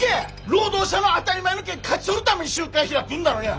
労働者の当たり前の権利勝ち取るために集会を開くんだろや。